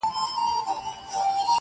اخره زمانه سوه د چرګانو یارانه سوه -